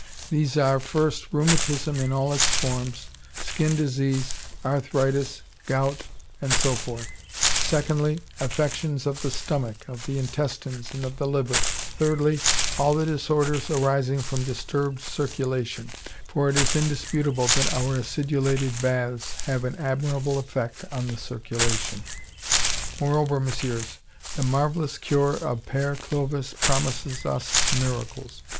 These are, first, rheumatism in all its forms, skin disease, arthritis, gout, and so forth; secondly, affections of the stomach, of the intestines and of the liver; thirdly, all the disorders arising from disturbed circulation, for it is indisputable that our acidulated baths have an admirable effect on the circulation. "Moreover, Messieurs, the marvelous cure of Père Clovis promises us miracles.